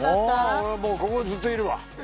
俺もうここにずっといるわ